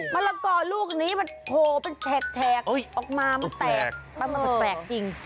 มะละกอลูกนี้มันโหมันแชกออกมามันแตกมันแปลกจริง